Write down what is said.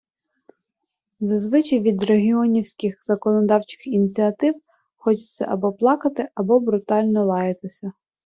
Зазвичай від регіонівських законодавчих ініціатив хочеться або плакати, або брутально лаятися.